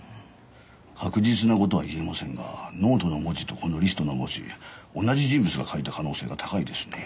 確実な事は言えませんがノートの文字とこのリストの文字同じ人物が書いた可能性が高いですね。